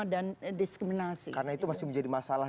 dan diskriminasi karena itu masih menjadi masalah